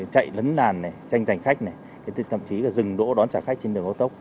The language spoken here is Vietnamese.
chạy lấn làn tranh giành khách thậm chí dừng đỗ đón trả khách trên đường cao tốc